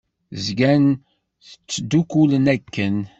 Zgan ttdukkulen akken.